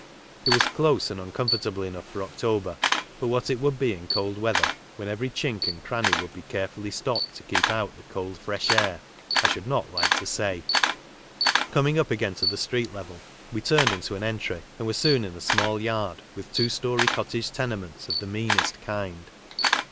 It was close and uncomfortable enough for October, but what it would be in cold weather, when every chink and cranny would be carefully stopped to keep out tin? cold, fresh air, I should not like to say. . Coming up again to the street level we turned into an entry, and were soon in a small yard with two storey cottage tenements of the meanest kind.